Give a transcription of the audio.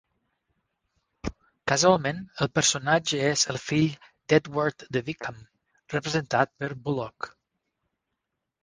Casualment el personatge és el fill d'Edward de Wickham, representat per Bulloch.